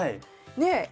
ねえ！